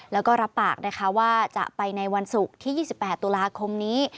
แล้วก็รับปากนะคะว่าจะไปในวันศุกร์ที่๒๘ตุลาคมนี้